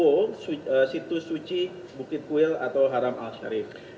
kota israel dan tempat berkulit suci mount haram al sharif